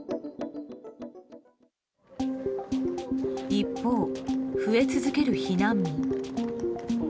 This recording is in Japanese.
一方、増え続ける避難民。